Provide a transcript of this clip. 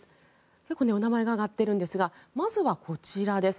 結構お名前が挙がっているんですがまずはこちらです。